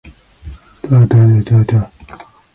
Inversion has always been easy to trace in Germany.